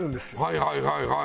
はいはいはいはい！